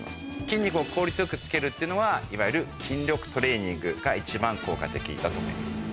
筋肉を効率よくつけるっていうのはいわゆる筋力トレーニングが一番効果的だと思います。